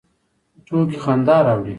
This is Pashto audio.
ټوکې خندا راوړي